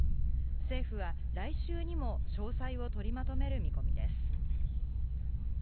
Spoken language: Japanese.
政府は来週にも詳細を取りまとめる見込みです。